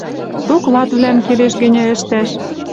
Докладвлӓм, келеш гӹньӹ, ӹштӓш.